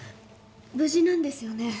無事なんですよね？